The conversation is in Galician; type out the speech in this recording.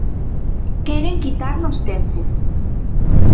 Queren quitarnos tempo.